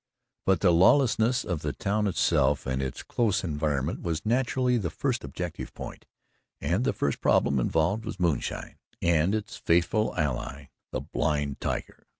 But the lawlessness of the town itself and its close environment was naturally the first objective point, and the first problem involved was moonshine and its faithful ally "the blind tiger."